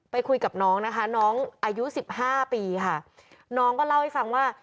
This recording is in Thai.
คุยกับน้องนะคะน้องอายุสิบห้าปีค่ะน้องก็เล่าให้ฟังว่า